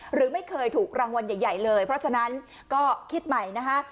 หรือไม่เคยถูกรางวัลใหญ่เลยเพราะฉะนั้นก็คิดใหม่นะคะ